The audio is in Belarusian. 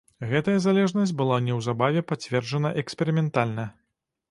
Гэтая залежнасць была неўзабаве пацверджана эксперыментальна.